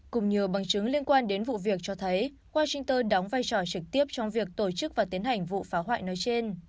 cùng nhiều bằng chứng liên quan đến vụ việc cho thấy washington đóng vai trò trực tiếp trong việc tổ chức và tiến hành vụ phá hoại nói trên